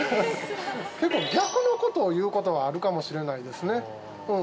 結構逆の事を言うことはあるかもしれないですねうん。